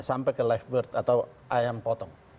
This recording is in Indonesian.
sampai ke live bird atau ayam potong